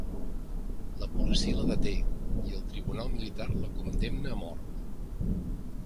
La policia la deté i el Tribunal militar la condemna a mort.